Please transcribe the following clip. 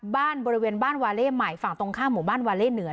บริเวณบ้านวาเล่ใหม่ฝั่งตรงข้ามหมู่บ้านวาเล่เหนือ